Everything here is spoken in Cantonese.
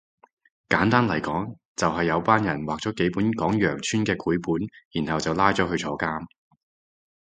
簡單嚟講就係有班人畫咗幾本講羊村嘅繪本然後就拉咗去坐監